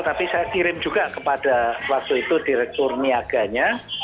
tapi saya kirim juga kepada waktu itu direktur niaganya